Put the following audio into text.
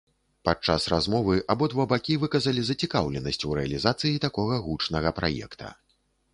Падчас размовы абодва бакі выказалі зацікаўленасць у рэалізацыі такога гучнага праекта.